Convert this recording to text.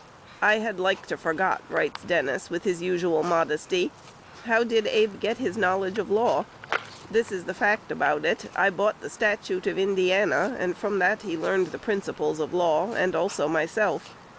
"I had like to forgot," writes Dennis, with his usual modesty, "How did Abe get his knowledge of law? This is the fact about it. I bought the 'Statute of Indiana,' and from that he learned the principles of law, and also myself.